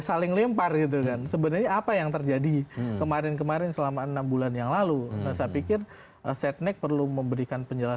sampai jumpa di video selanjutnya